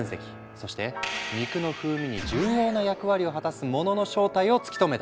そして肉の風味に重要な役割を果たすものの正体を突き止めた。